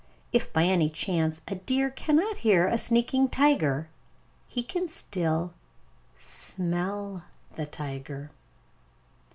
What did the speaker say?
If by any chance a deer cannot hear a sneaking tiger, he can still smell the tiger.